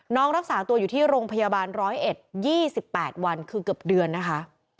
น้องรับสารตัวอยู่ที่โรงพยาบาลร้อยเอ็ด๒๘วันคือเกือบเดือนนะคะ